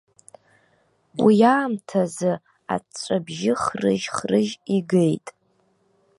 Уи аамҭазы аҵәҵәабжьы хрыжь-хрыжь игеит.